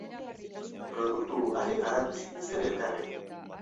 Produktu ugari garatu zituzten elkarrekin.